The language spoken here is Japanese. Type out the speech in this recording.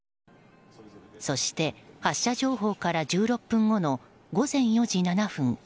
そして発射情報から１６分後の午前４時７分